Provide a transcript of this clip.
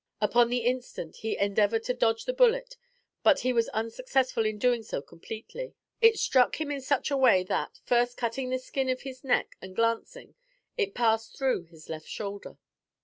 Upon the instant he endeavored to dodge the bullet, but he was unsuccessful in doing so completely. It struck him in such a way that, first cutting the skin of his neck and glancing, it passed through his left shoulder.